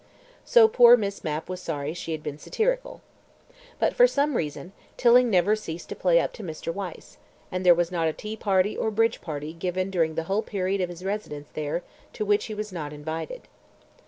So poor Miss Mapp was sorry she had been satirical. ... But, for some reason, Tilling never ceased to play up to Mr. Wyse, and there was not a tea party or a bridge party given during the whole period of his residence there to which he was not invited.